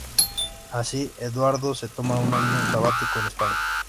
Así, Edoardo se toma un año sabático en España.